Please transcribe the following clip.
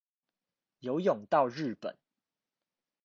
游泳到日本